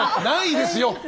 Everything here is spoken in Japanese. ないですよ！